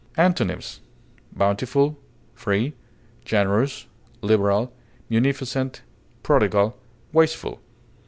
Antonyms: bountiful, free, generous, liberal, munificent, prodigal, wasteful.